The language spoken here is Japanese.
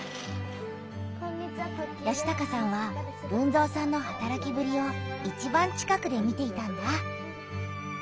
嘉孝さんは豊造さんのはたらきぶりをいちばん近くで見ていたんだ。